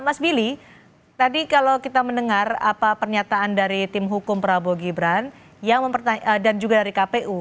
mas billy tadi kalau kita mendengar apa pernyataan dari tim hukum prabowo gibran dan juga dari kpu